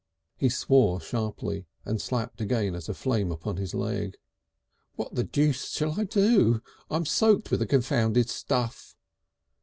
He swore sharply and slapped again at a recrudescent flame upon his leg. "What the Deuce shall I do? I'm soaked with the confounded stuff!"